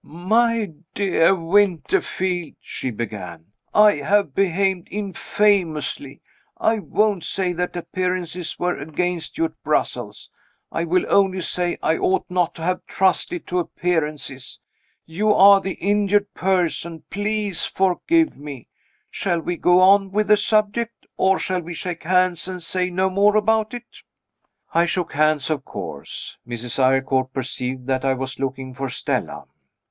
"My dear Winterfield," she began, "I have behaved infamously. I won't say that appearances were against you at Brussels I will only say I ought not to have trusted to appearances. You are the injured person; please forgive me. Shall we go on with the subject? or shall we shake hands, and say no more about it?" I shook hands, of course. Mrs. Eyrecourt perceived that I was looking for Stella.